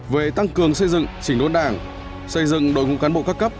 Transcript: về tăng cường xây dựng chỉnh đốn đảng xây dựng đội ngũ cán bộ các cấp